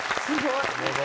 すごい！